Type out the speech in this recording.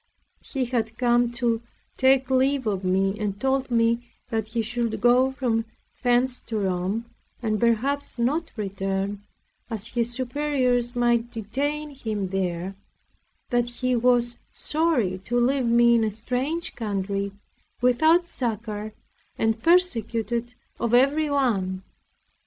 He had come to take leave of me, and told me that he should go from thence to Rome, and perhaps not return, as his superiors might detain him there; that he was sorry to leave me in a strange country, without succor, and persecuted of everyone.